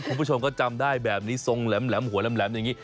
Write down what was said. คุณผู้ชมก็จำได้แบบนี้ทรงแหลมหัวแหลมอย่างนี้